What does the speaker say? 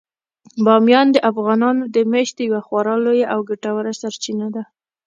بامیان د افغانانو د معیشت یوه خورا لویه او ګټوره سرچینه ده.